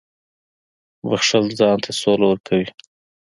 • بښل ځان ته سوله ورکوي.